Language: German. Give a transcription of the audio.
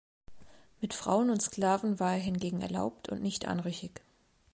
Mit Frauen und Sklaven war er hingegen erlaubt und nicht anrüchig.